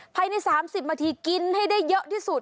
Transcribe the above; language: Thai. ภายใน๓๐นาทีกินให้ได้เยอะที่สุด